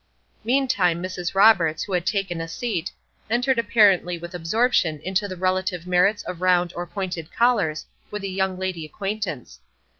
Meantime Mrs. Roberts, who had taken a seat, entered apparently with absorption into the relative merits of round or pointed collars with a young lady acquaintance.